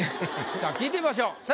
さあ聞いてみましょう。